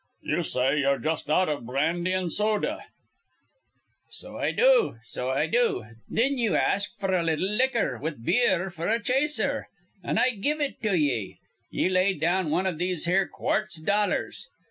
"You say you're just out of brandy and soda." "So I do, so I do. Thin you ask f'r a little liquor with beer f'r a chaser. An' I give it to ye. Ye lay down wan iv these here quartz dollars.